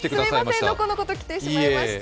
すみません、のこのこと来てしまいました。